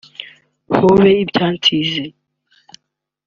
Hobe ibyansize